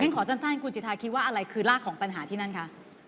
ขอสั้นคุณสิทธาคิดว่าอะไรคือรากของปัญหาที่นั่นคะ